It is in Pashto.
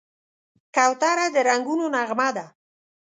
کوتره د رنګونو نغمه ده.